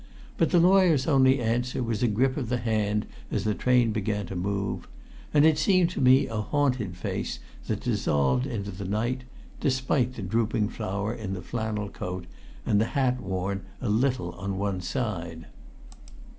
But the lawyer's only answer was a grip of the hand as the train began to move. And it seemed to me a haunted face that dissolved into the night, despite the drooping flower in the flannel coat and the hat worn a little on one side.